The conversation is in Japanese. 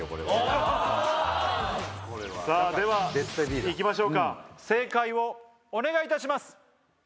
さぁではいきましょうか正解をお願いいたします。